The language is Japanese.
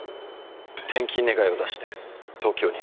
転勤願を出して東京に